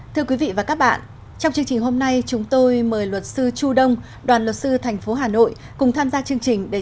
thưa quý vị và các bạn trong chương trình hôm nay chúng tôi mời luật sư chu đông đoàn luật sư tp hà nội cùng tham gia chương trình để trả lời